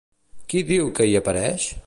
Qui diu que hi apareix?